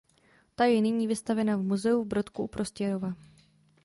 Ta je nyní vystavena v muzeu v Brodku u Prostějova.